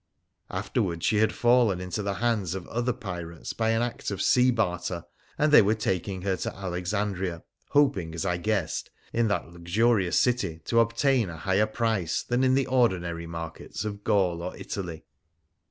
Afterwards she had fallen into the hands of other pirates by an act of sea barter, and they were taking her to Alexandria, hoping, as I guessed, in that luxurious city to obtain a higher price than in the ordinary markets of Gaul or Italy.